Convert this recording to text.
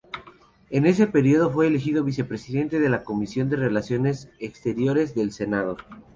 En ese período fue elegido vicepresidente de la Comisión de Relaciones Exteriores del Senado.